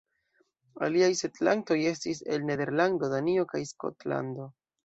Aliaj setlantoj estis el Nederlando, Danio, kaj Skotlando.